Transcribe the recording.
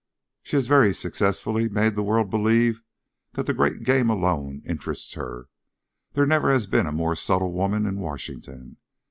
She has very successfully made the world believe that the great game alone interests her; there never has been a more subtle woman in Washington.